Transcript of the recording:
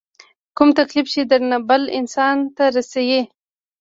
کوم تکليف چې درنه بل انسان ته رسي